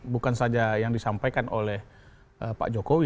bukan saja yang disampaikan oleh pak jokowi